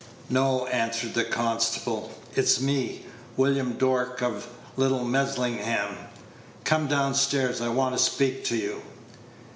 "No," answered the constable. "It's me, William Dork, of Little Meslingham. Come down stairs; I want to speak to you."